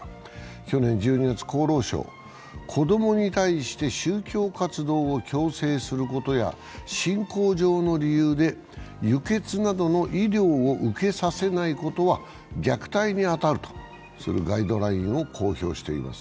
去年１２月、厚労省は、子供に対して宗教活動を強制することや信仰上の理由で輸血などの医療を受けさせないことは虐待に当たるとするガイドラインを公表しています。